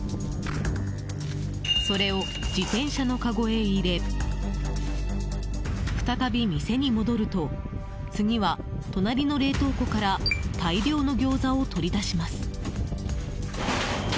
それを、自転車のかごへ入れ再び店に戻ると次は、隣の冷凍庫から大量のギョーザを取り出します。